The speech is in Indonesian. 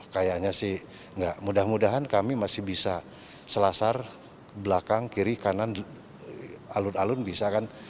kayaknya sih mudah mudahan kami masih bisa selasar belakang kiri kanan alun alun bisa kan